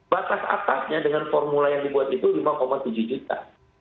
batas atasnya dengan formula yang dibuat itu lima tujuh juta